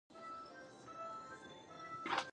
睡眠は大事